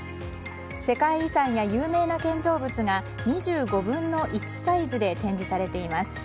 世界遺産や有名な建造物が２５分の１サイズで展示されています。